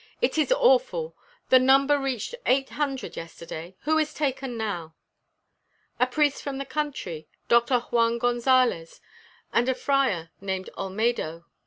"It is awful. The number reached eight hundred yesterday. Who is taken now?" "A priest from the country, Doctor Juan Gonzalez, and a friar named Olmedo.